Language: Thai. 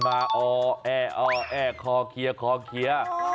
มาออแอออแอคอเคียร์คอเคียร์